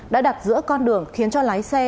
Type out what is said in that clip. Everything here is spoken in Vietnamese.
đã đặt giữa con đường khiến cho lái xe